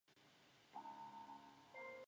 康熙五十年升任偏沅巡抚。